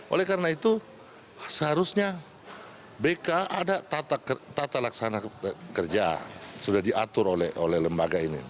oleh karena itu seharusnya bk ada tata laksana kerja sudah diatur oleh lembaga ini